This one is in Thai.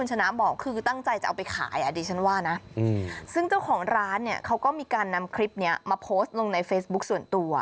ซึ่งเจ้าของร้านเนี่ยเขาก็มีการนำคลิปเนี้ยมาโพสต์ลงในเฟซบุ๊คส่วนตัว